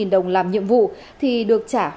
năm trăm linh đồng làm nhiệm vụ thì được trả tiền